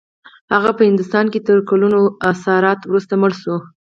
هغه په هندوستان کې تر کلونو اسارت وروسته مړ شو.